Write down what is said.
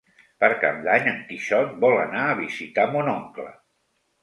Per Cap d'Any en Quixot vol anar a visitar mon oncle.